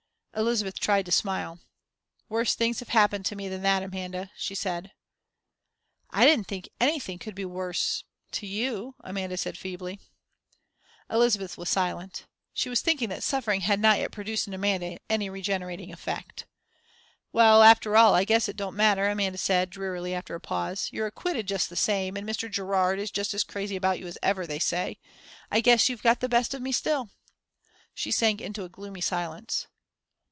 Elizabeth tried to smile. "Worse things have happened to me than that, Amanda," she said. "I didn't think anything could be worse to you," Amanda said, feebly. Elizabeth was silent. She was thinking that suffering had not yet produced in Amanda any regenerating effect. "Well, after all, I guess it don't matter," Amanda said, drearily, after a pause. "You're acquitted just the same, and Mr. Gerard is just as crazy about you as ever, they say. I guess you've got the best of me still." She sank into a gloomy silence.